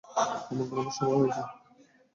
আমার ঘুমানোর সময় হয়েছে।